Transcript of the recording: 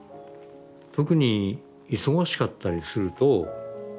特に忙しかったりすると。